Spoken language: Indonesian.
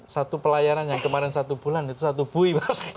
satu pelayanan yang kemarin satu bulan itu satu bui